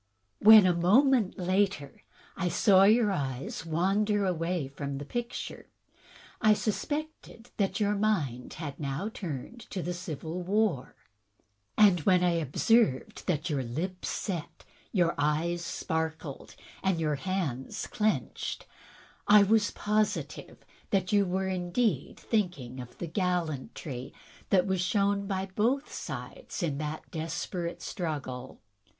When a moment later I saw your eyes wander away from the picture, I suspected that your mind had now turned to the Civil War, and when I THE RATIONALE OF RATIOCINATION 13I observed that your lips set, your eyes sparkled, and your hands clinched, I was positive that you were indeed thinking of the gal lantry which was shown by both sides in that desperate struggle.